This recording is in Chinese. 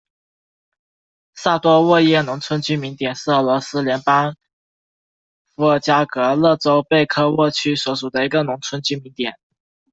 萨多沃耶农村居民点是俄罗斯联邦伏尔加格勒州贝科沃区所属的一个农村居民点。